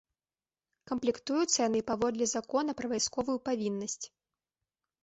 Камплектуюцца яны паводле закона пра вайсковую павіннасць.